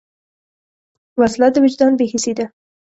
وسله د وجدان بېحسي ده